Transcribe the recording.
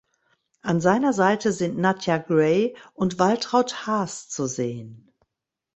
An seiner Seite sind Nadja Gray und Waltraud Haas zu sehen.